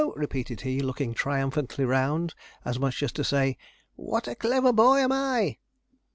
repeated he, looking triumphantly round, as much as to say, 'What a clever boy am I!'